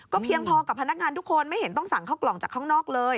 เพียงพอกับพนักงานทุกคนไม่เห็นต้องสั่งเข้ากล่องจากข้างนอกเลย